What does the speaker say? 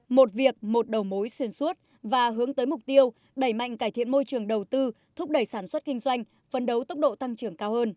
một việc một đầu mối xuyên suốt và hướng tới mục tiêu đẩy mạnh cải thiện môi trường đầu tư thúc đẩy sản xuất kinh doanh phấn đấu tốc độ tăng trưởng cao hơn